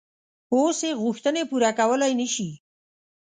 اوس یې غوښتنې پوره کولای نه شي.